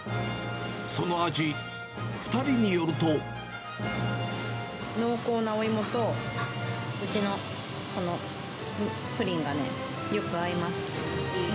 その味、濃厚なお芋と、うちのこのプリンがね、よく合います。